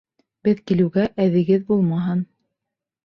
Беҙ килеүгә әҙегеҙ булмаһын.